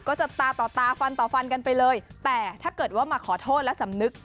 ตาต่อตาฟันต่อฟันกันไปเลยแต่ถ้าเกิดว่ามาขอโทษและสำนึก